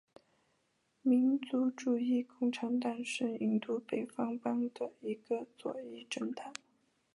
民族主义共产党是印度北方邦的一个左翼政党。